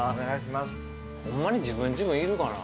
ホンマに自分自分いるかな。